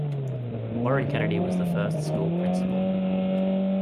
Warren Kennedy was the first school principal.